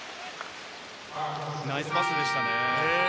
ナイスパスでしたね。